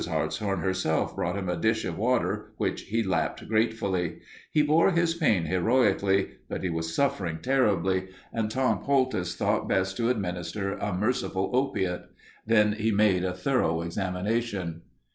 Hartshorn herself brought him a dish of water which he lapped gratefully. He bore his pain heroically, but he was suffering terribly, and Tom Poultice thought best to administer a merciful opiate. Then he made a thorough examination.